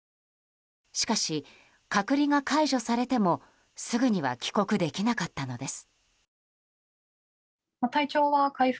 しかし、隔離が解除されてもすぐには帰国できなかったのです。